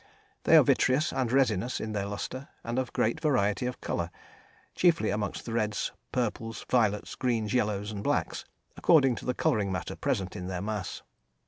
They are vitreous and resinous in their lustre and of great variety of colour, chiefly amongst reds, purples, violets, greens, yellows and blacks, according to the colouring matter present in their mass.